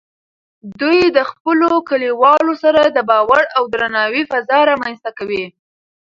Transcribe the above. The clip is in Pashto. دوی د خپلو کلیوالو سره د باور او درناوي فضا رامینځته کوي.